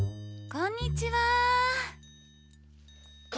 こんにちは！